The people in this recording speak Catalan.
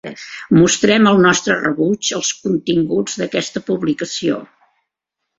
Mostrem el nostre rebuig als continguts d'aquesta publicació.